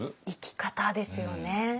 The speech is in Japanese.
生き方ですよね。